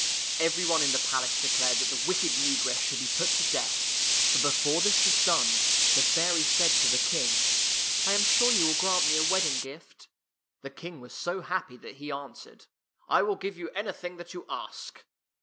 Every one in the palace declared that the wicked negress should be put to death, but before this was done, the fairy said to the King, " I am sure you will grant me a wed ding gift." The King was so happy that he answered, " I will give you anything that you ask."